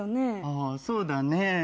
あそうだね。